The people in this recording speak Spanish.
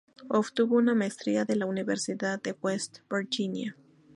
Obtuvo una maestría de la Universidad de West Virginia.